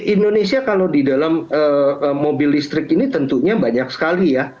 indonesia kalau di dalam mobil listrik ini tentunya banyak sekali ya